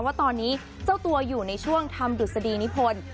ว่าตอนนี้เจ้าตัวอยู่ในช่วงทำดุษฎีนิพนธ์